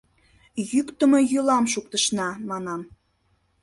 — Йӱктымӧ йӱлам шуктышна, — манам.